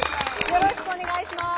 よろしくお願いします。